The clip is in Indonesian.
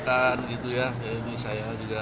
dan itu ya ini saya juga